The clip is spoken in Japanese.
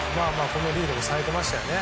このリードが冴えていましたよね。